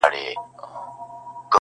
یا بیګانه وه لېوني خیالونه!